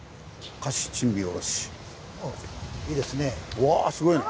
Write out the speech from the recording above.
うわすごいな。